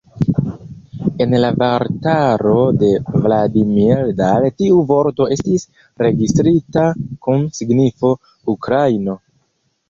En la vortaro de Vladimir Dal tiu vorto estis registrita kun signifo "ukraino".